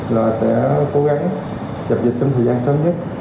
là sẽ cố gắng dập dịch trong thời gian sớm nhất